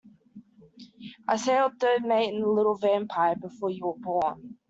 I sailed third mate in the little Vampire before you were born.